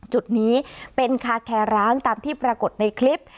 จุดนี้เป็นคาแคร้างตามที่ปรากฏในคลิป